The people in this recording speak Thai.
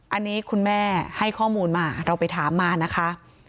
อันนี้คุณแม่ให้ข้อมูลมาเราไปถามมานะคะ